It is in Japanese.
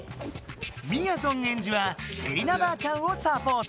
みやぞんエンジはセリナばあちゃんをサポート。